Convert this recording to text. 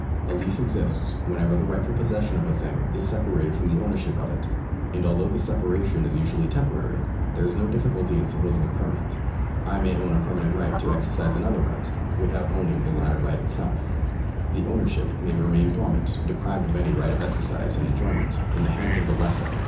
A lease exists whenever the rightful possession of a thing is separated from the owner ship of it ; and although this separation is usually temporary, there is no difficulty in saipposing it permanent. I may own a permanent right 1 Beardman v. Wilso7i, L. R. 4 C. P. 57. 400 THE LAW OF PROPERTY [§ 158 to exercise another right, without owning the latter right itself. The ownership may remain dormant, deprived of any right of exercise and enjoyment, in the hands of the lessor.